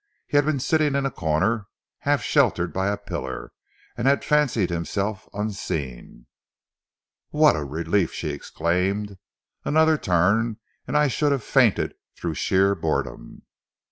He had been sitting in a corner, half sheltered by a pillar, and had fancied himself unseen. "What a relief!" she exclaimed. "Another turn and I should have fainted through sheer boredom."